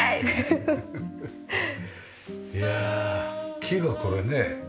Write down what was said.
いや木がこれね。